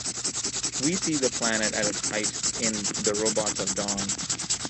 We see the planet at its height in "The Robots of Dawn".